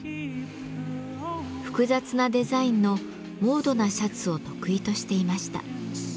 複雑なデザインのモードなシャツを得意としていました。